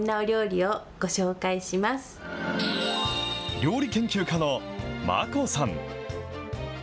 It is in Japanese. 料理研究家のマコさん。